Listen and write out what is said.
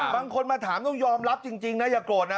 มาถามต้องยอมรับจริงนะอย่าโกรธนะ